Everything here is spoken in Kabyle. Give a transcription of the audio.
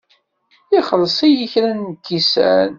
Ixelleṣ-iyi kra n lkisan.